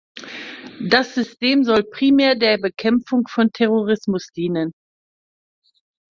Das System soll primär der Bekämpfung von Terrorismus dienen.